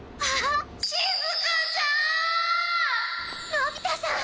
のび太さん！